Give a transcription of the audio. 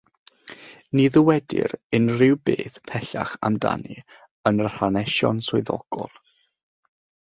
Ni ddywedir unrhyw beth pellach amdani yn yr hanesion swyddogol.